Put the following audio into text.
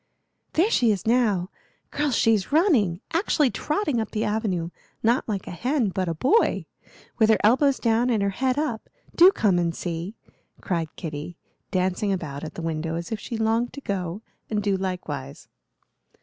"There she is now! Girls, she's running! actually trotting up the avenue not like a hen, but a boy with her elbows down and her head up. Do come and see!" cried Kitty, dancing about at the window as if she longed to go and do likewise.